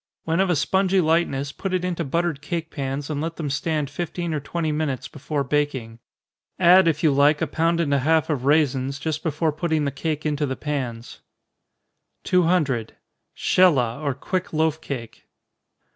When of a spongy lightness, put it into buttered cake pans, and let them stand fifteen or twenty minutes before baking. Add if you like a pound and a half of raisins, just before putting the cake into the pans. 200. _Shelah, or Quick Loaf Cake.